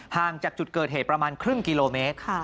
ห่างจากจุดเกิดเหตุประมาณครึ่งกิโลเมตร